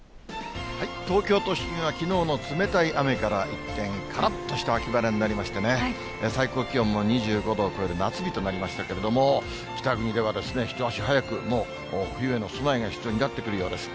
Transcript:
東京都心はきのうの冷たい雨から一転、からっとした秋晴れになりましてね、最高気温も２５度を超える夏日となりましたけれども、北国では一足早く、もう冬への備えが必要になってくるようです。